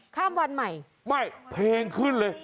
ข้ามวันใหม่ไม่เพลงขึ้นเลย